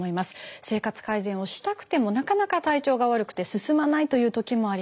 生活改善をしたくてもなかなか体調が悪くて進まないというときもあります。